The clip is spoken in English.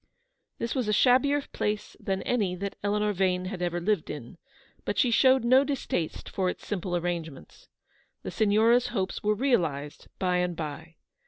This was a shabbier place than any that Eleanor Vane had ever lived in, but she showed no dis taste for its simple arrangements. The Signora's hopes were realised by and by.